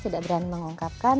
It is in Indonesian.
tidak berani mengungkapkan